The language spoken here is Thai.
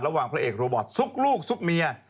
ระหว่างพระเอกโรบอตซุกลูกซุกเมีย